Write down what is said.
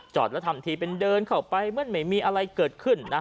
แล้วทำทีเป็นเดินเข้าไปเหมือนไม่มีอะไรเกิดขึ้นนะ